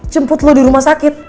jemput lo di rumah sakit